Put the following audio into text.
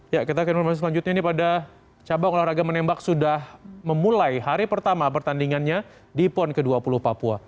ya kita ke informasi selanjutnya ini pada cabang olahraga menembak sudah memulai hari pertama pertandingannya di pon ke dua puluh papua